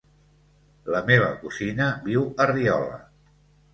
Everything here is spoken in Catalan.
La meva cosina viu a Riola.